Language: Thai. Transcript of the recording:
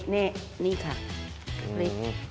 นี่นี่ค่ะนี่